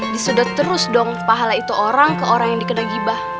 disudot terus dong pahala itu orang ke orang yang dikena gibah